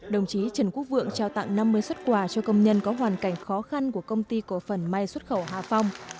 đồng chí trần quốc vượng trao tặng năm mươi xuất quà cho công nhân có hoàn cảnh khó khăn của công ty cổ phần may xuất khẩu hà phong